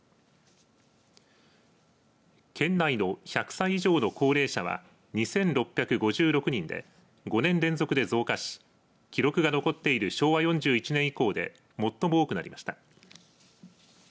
県内の１００歳以上の高齢者は２６５６人で５年連続で増加し記録が残っている昭和４１年以降で最も多くなりました。